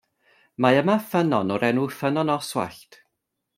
Mae yma ffynnon o'r enw Ffynnon Oswallt.